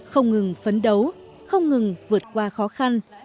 không ngừng phấn đấu không ngừng vượt qua khó khăn